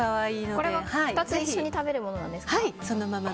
これは２つ一緒に食べるものですか？